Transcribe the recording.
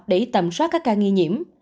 để tầm soát các ca nghi nhiễm